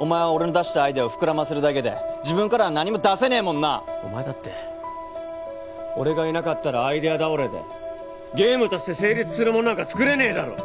お前は俺の出したアイデアを膨らませるだけで自分からは何も出せねえもんなお前だって俺がいなかったらアイデア倒れでゲームとして成立するものなんか作れねえだろ！